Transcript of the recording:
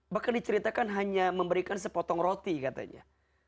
bahkan diceritakan hanya memberikan sepotong roti katanya